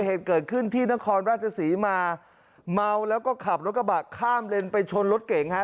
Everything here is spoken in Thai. เหตุเกิดขึ้นที่นครราชศรีมาเมาแล้วก็ขับรถกระบะข้ามเลนไปชนรถเก่งฮะ